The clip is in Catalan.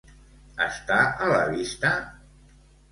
Està a la vista?